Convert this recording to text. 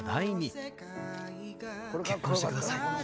結婚して下さい。